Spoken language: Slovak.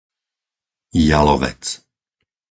Jalovec